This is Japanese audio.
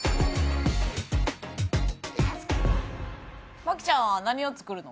麻貴ちゃんは何を作るの？